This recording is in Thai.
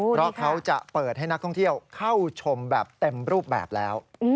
เพราะเขาจะเปิดให้นักท่องเที่ยวเข้าชมแบบเต็มรูปแบบแล้ว